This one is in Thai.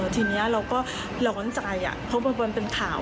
ทีนี้เราก็ร้อนใจเพราะมันเป็นข่าว